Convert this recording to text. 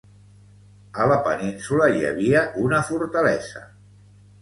A la península hi havia una fortalesa.